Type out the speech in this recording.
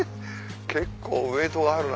結構ウエートがあるな。